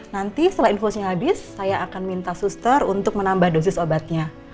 nanti setelah infusnya habis saya akan minta suster untuk menambah dosis obatnya